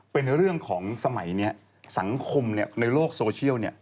เป็นเรื่องของสมัยนี้สังคมในโลกโซเชียล